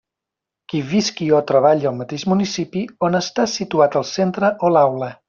Qui visqui o treballi al mateix municipi on està situat el centre o l'aula.